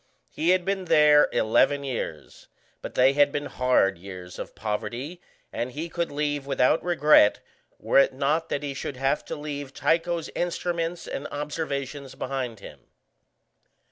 He had been there eleven years, but they had been hard years of poverty, and he could leave without regret were it not that he should have to leave Tycho's instruments and observations behind him.